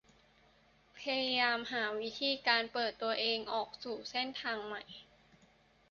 พยายามหาวิธีการเปิดตัวเองออกสู่เส้นทางใหม่